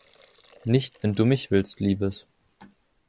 Nicht, wenn du mich willst, Liebes.